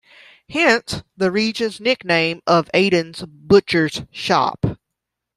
Hence, the region's nickname of "Aden's butcher's shop".